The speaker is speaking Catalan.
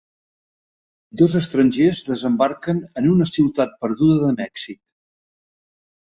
Dos estrangers desembarquen en una ciutat perduda de Mèxic.